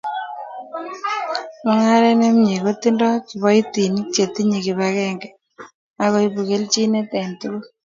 Mungaret ne mie kotindoi kiboitinik che tinyei kipagenge akoibu keljinet eng tugul